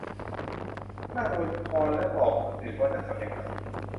นั่งบนคอนแล้วบอกคนอื่นว่าจะทำอย่างไร